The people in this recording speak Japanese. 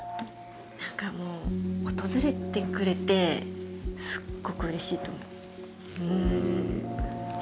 何かもう訪れてくれてすごくうれしいと思うよ。